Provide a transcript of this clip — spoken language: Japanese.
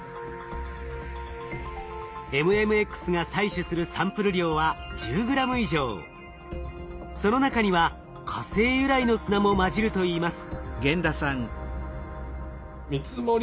ＭＭＸが採取するサンプル量はその中には火星由来の砂も混じるといいます。